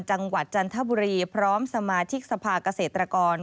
จังหวัดจันทบุรีพร้อมสมาทิกสภาคเศรษฐกร